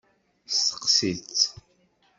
Steqsi-tt.